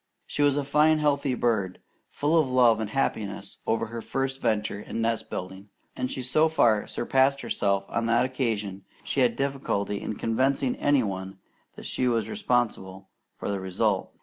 She was a fine healthy bird, full of love and happiness over her first venture in nest building, and she so far surpassed herself on that occasion she had difficulty in convincing any one that she was responsible for the result.